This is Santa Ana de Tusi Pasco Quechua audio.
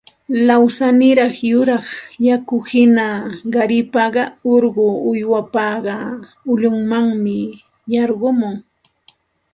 lawsaniraq yuraq yakuhina qaripapas urqu uywapapas ullunmanta lluqsimuq